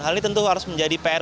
hal ini tentu harus menjadi pr